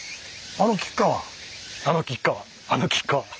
あの吉川あの吉川。